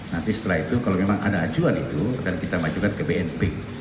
nanti setelah itu kalau memang ada acuan itu akan kita majukan ke bnp